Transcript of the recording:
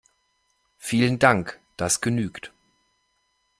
Vielen Dank, das genügt.